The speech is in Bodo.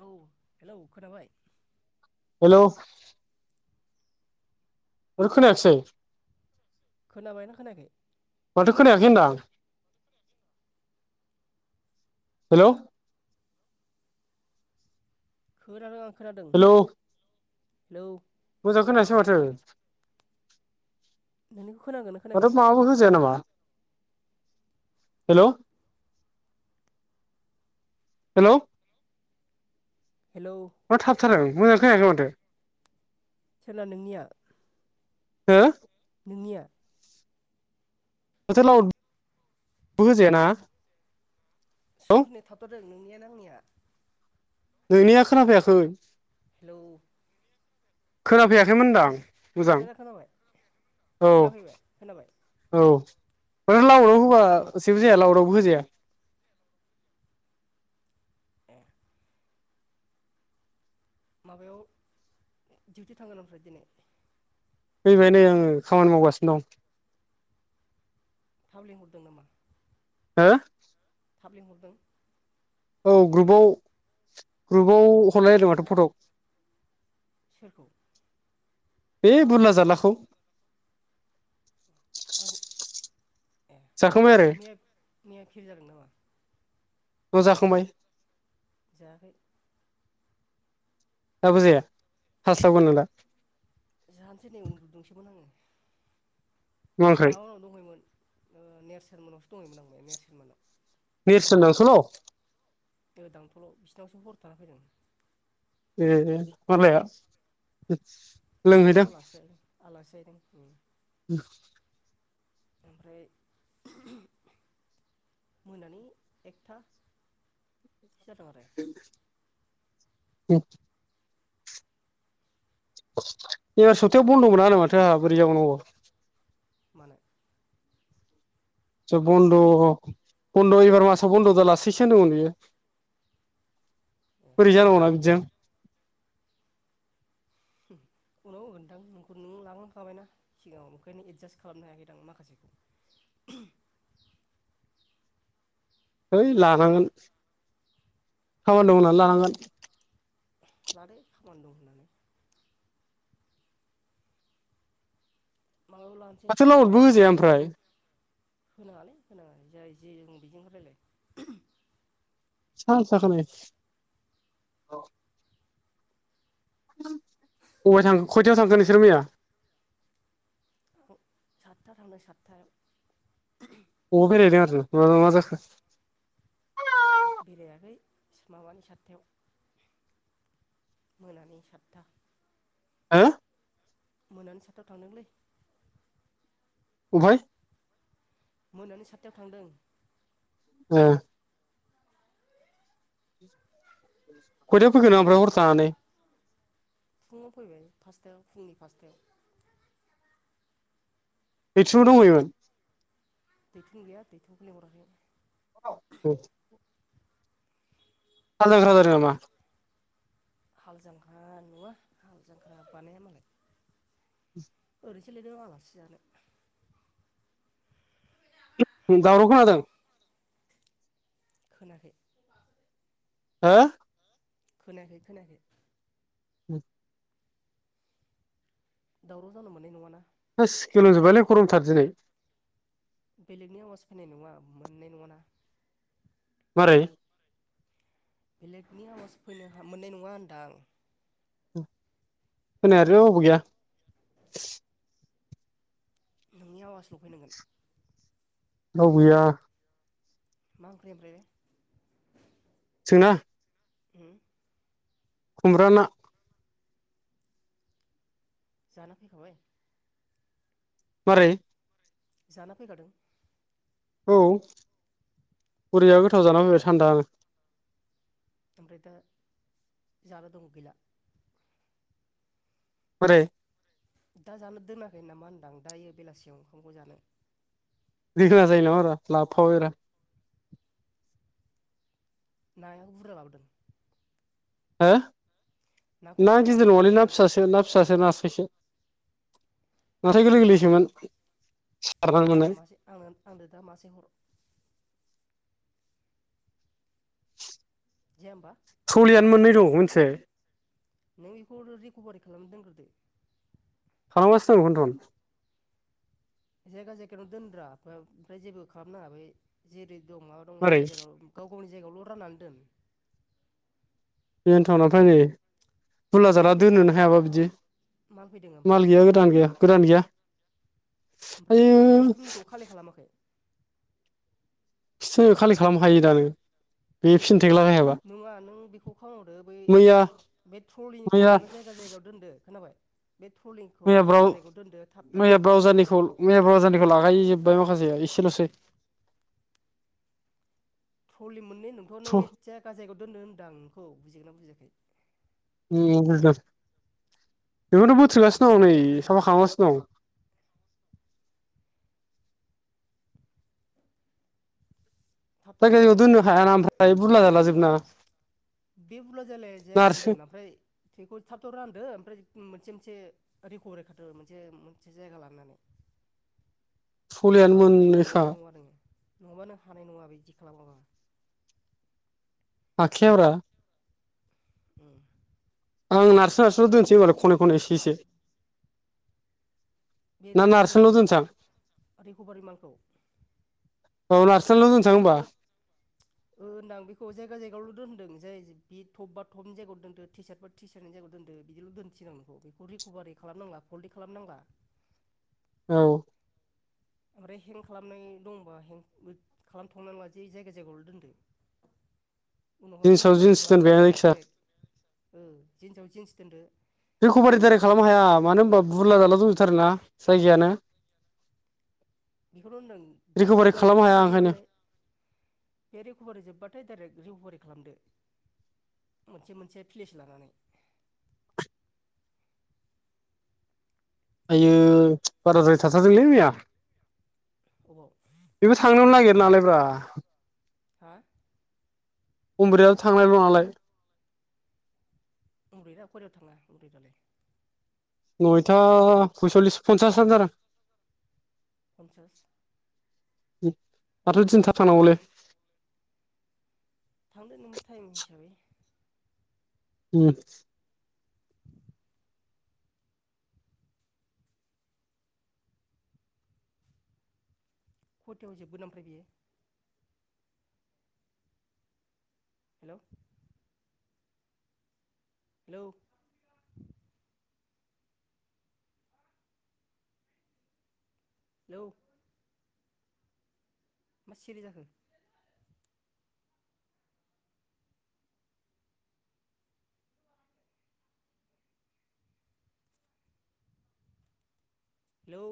औ हेलौ खोनाबाय। हेलौ माथो खोनायासै। खोनाबायना खोनायाखै? माथो खोनायाखै होनदां हेलौ। खोनादों आं खोनादों हेलौ हेलौ। मोजां खोनायासै माथो। नोंनिखौ खोनागोन। माथो माबा होजाया नामा हेलौ। हेलौ हेलौ मा थाबथार मोजां खोनायाखै माथो। सोरना नोंनिया। हो नोंनिया माथो लावट बो होजायाना। औ सोरनि थाबथादों नोंनिया ना आंनियाव। नोंनिया खोनाफैयाखै। हेलौ खोना फैयाखैमोन होनदां मोजां दा खोनाबाय औ खोनाफैबाय खोनाबाय? औ माथो लाउदाव होबा जेबो जाया लाउदावबो होजाया? ए माबायाव डिउटि थांगोन ओमफ्राय दिनै? फैबाय नै आङो खामानि मावगासिनो दं। थाब लेंंहरदों नामा? हो थाब लेंंहरदों? औ ग्रुबाव ग्रुबाव हरलाय लायदों माथो फट'क। सोरखौ? बे बुरला जारलाखौ। औ ए जाखांबाय आरो मैया मैया फेल जादों नामा? औ जाखांबाय। जायाखै। दाबो जाया हास्लाबगोन नों दा? जानसै नै उन्दुदोंसोमोन आङो। मा ओंख्रै माबा मोनाव दंहैयोमोन ओ नेरसोन मोनावसो दंहैयोमोन आं नेरसोन मोनाव। नेरसोन नावसोबाव? दोदांथलाव बिसोरनावसो हर थाना फैदों। ए मा लाया? ओरैनो आलासि जाहैदों आलासि जाहैदों उम। [inaudible] ओमफ्राय मोनानि एकथा। बिदिनो जादों आरो? उम एबार सप्तायाव बन्द'मोनानो माथो आंहा बोरै जाबावनांगौ? मानो? ज बन्द' बन्द' एबार मासाव बन्द' दालासैसो होनदोंंमोन बियो। [inaudible] बोरै जानांगौना बिदिजों? औ नोंथां नों लांखां खाबायना। सिगाङाव ओंखायनो एडजास्ट खालामनो हायाखैदां माखासेखौ। हैइ बेखायनो आरो लानांगोन खामानि दं होनना लानांगोन। लादों खामानि दं होननानै। माबायाव लानोसै माथो लावदबो समबाराव मोनबा होजाया लानोसै। ओमफ्राय होनाङालै होनाङा जाय जे जों बेजों होलायलाय। औ जागोन दे। बबेयाव थांखो खयथायाव थांखो नोंसोरो मैया? आं सातथा थांदों सातथायाव। अबावबा बेराय हैदों आरो ना मा जाखो? बेरायाखै माबानि सातथायाव मोनानि सातथा। हो मोनानि सातथायाव थांदोंलै। ओमफ्राय मोनानि सातथायाव थांदों। ए [unintelligible] ओमफ्राय हर बिनिफ्राय थानानै फुङाव फैबाय फास्थायाव फुंनि फास्थायाव। मिटिंआव दंहैयो मोन? दैथुननि गैया दैथुनखौनि लिंहराखै। औ हालजांख्रा जादों नामा? हालजांख्रा नुवा हाल जांख्रा बानाया मालाय। ओरैनोसो लिंदों आं आलासि जानो। दावराव खोनादों। खोनाखै। हो? खोनायाखै खोनायाखै। उम दावराव जानो मोननाय नङाना। थोस गोलोमजोबायलै गरमथार दिनै। बेलेगनि आवाज फैनाय नङा मोननाय नङाना मारै? बेलेगनि आवाज फैनो मोननाय नङा होनदां। खोनायालै रावबो गैया। नोंनि आवाजल' फैनांगोन। नाव गैया। मा ओंख्रि ओमफ्राय? सोंना हो खुमब्रा ना जाना फैखाबाय मारै? जाना फैखादों। औ बरिया गोथाव जानानै फैबाय थान्दानो। ओमफ्राय दा जानो दं गैला बोरै? दा जानो दोनाखै नामा होनदां दायो बेलासियाव ओंखामखौ जानो? दोना जायो नामा‌ रा लाबफाबाय‌ रा। नाया बुरजा लाबोदों। हो नाखौ ना बुरजा लाबोगोन गिदिर नङालै ना लाबोआखै फिसासो ना फिसासो नास्रायसो नास्राय गोरलै गोरलैसोमोन। सारनानै आंनो मोननाय मासे आंनो आंनो दा मासे हर। जाया होमबा? सलियानो मोननैल' मोनथिबाय? नों बेखौ रिकभारि खालामनो दोनग्रोदो। खालामगासिनो दं बेखौनोथन। जायगा जायगायावनो दोनब्रा ओमफ्राय जेबो खालामनाङा बै जेरै दं माबा दं मारै जायगा जायगायाव गाव गावनि जायगायावल' राननानै दोन। बेेनथन ओमफ्राय नै माल बुरलाजारला फैदों नामा दोननोनो ओमफ्राय हायाबा बिदि माल फैदों ओमफ्राय माल गैया गोदान गैया गोदान गैया। ओमफ्राय आयु बेखौ खिथु उननिखौ खालेक्ट खालामाखै? सोर खालि खालामखायो दानो! बे फिनथेक लागायाबा नङा नों बेखौ खाहरदो बै बे ट्रलिनिखौ मैया नोङो जायगा जायगायाव दोनदो। खोनाबाय? बे थ्रलि मैया ब्राव-मैया ब्रावजारनिखौ ओमफ्राय मैया ब्रावजारनिखौ लागायजोबबाय माखासेया एसेल'सै। थ्रलि मोननै नोंथ' नों एथिया गाजायगायाव दोननो होन्दों आ नोंखौ बुजिदों ना बुजिआखै बुजायाखै? ओ बुजिदों बेखौथ' ओंखायनो होनदां बोथो‌दगासिनो दं जायगा नै जायगायाव दोनदो साफा खालामगासिनो दं। थाब थाब खालाम जायखायखौ दोननो ओमफ्राय हायाना ओमफ्राय बुरला जाला जोबना बे बुरला जालाया जायगायावनो नारसो दोन ओमफ्राय थैखौ थाब थाब रानदो ओमफ्राय मोनसे मोनसे रेकरैखाथ मोनसे- मोनसे जायगा लानानै सलियानो नङाबा बे नों मोननोखा हानाय नङा नोङो नङाबा नों हानाय नङा बे बिदि खालामाबा। आखियाव ब्रा ओ आं नारसो नारस्रल' दोनसै होमबालाय खनै- खनै इसे -इसे बे ना रिकभ नारसोनल' मालखौ दोनसां -रिकभारि मालखौ औ नाथ्रोथनाल' दोनसाङो होमबा होनदां बेखौ जायगा जायगायावल' दोन्दों जाय बि टब बा थटपनि जायगायाव दोनदो टि सार्ट बा टिसारनि जायगायाव दोनदो बिदिल' दोनस आां नोंखौ बेखौ रिकभारि खालामनांला फल्ड खालामनांला औ ओमफ्राय हें खालामनाय दंबा हें खालामथ'नानै ला ज जायगा जायगायावल' दोनदो उनावहाय जिन्सआव रिकभारि जिन्स दोनबाय खालामबा आं डाइरेक्ट जायखिया दडाइरेक्ट औ जिन्सआव जिन्स दोनदो। रिकभारि ओमफ्राय दारै जेब्ला खालामनो रिक' हाया मानो होनबा बुरला जाला दंजोथार ना जायगायानो। बेखौनो' होनदों बे रिकभारि जोब्बाथाय खालामनो हाया थलि ओंखायनो जोब्बाथाय बे रिकभारि जोबबाथाय डाइरेक्ट रिक'भारि खालामदो। मोनसे मोनसे प्लेस लानानै आय बाराद्राय थाथारदोंलै मैया अबाव बेबो थांनो नागिर नालाय ब्रा हा बमब्रयाल' थांनायल' नालाय [unintelligible] उन्द्रै दा ककरयाव थाङा उन्ददै दालाय [unintelligible] नयथा सयसलिस फनसास हाजार फनसास दाथ' दिन्था थांनांगौलै थांदो नों टाइम हिसाबै उम खथायाव जोबगोन ओमफ्राय बियो हेल' हेलौ हेलौ मा सिरि जाखो? हेलौ